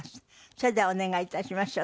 それではお願い致しましょう。